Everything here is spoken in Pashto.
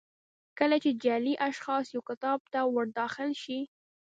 کله چې جعلي اشخاص یو کتاب ته ور داخل شي.